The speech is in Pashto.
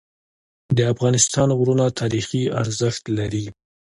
د افغانستان غرونه تاریخي ارزښت لري.